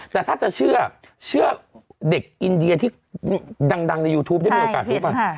แต่ถ้าจะเชื่อเด็กอินเดียที่ดังในยูทูปได้มีโอกาสรู้ป่ะ